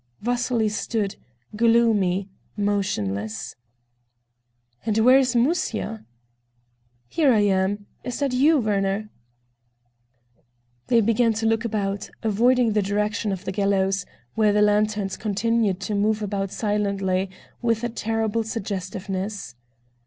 Vasily stood, gloomy, motionless. "And where is Musya?" "Here I am. Is that you, Werner?" They began to look about, avoiding the direction of the gallows, where the lanterns continued to move about silently with terrible suggestiveness.